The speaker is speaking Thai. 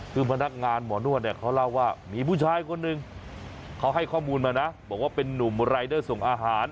คือพนักงานหมอนวดเนี่ยเขาเล่าว่ามีผู้ชายคนหนึ่งเขาให้ข้อมูลมานะบอกว่าเป็นนุ่มรายเดอร์ส่งอาหาร